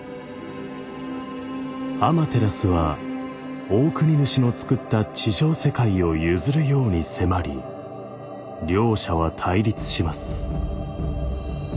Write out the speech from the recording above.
アマテラスはオオクニヌシのつくった地上世界を譲るように迫り両者は対立します。